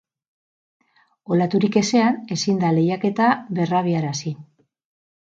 Olaturik ezean ezin da lehiaketa berrabiarazi.